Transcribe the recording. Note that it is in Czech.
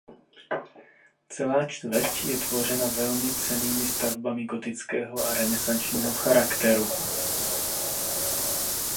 Celá čtvrť je tvořena velmi cennými stavbami gotického a renesančního charakteru.